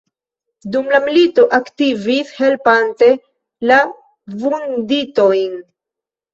Dum la milito aktivis helpante la vunditojn.